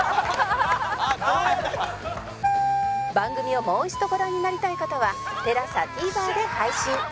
番組をもう一度ご覧になりたい方は ＴＥＬＡＳＡＴＶｅｒ で配信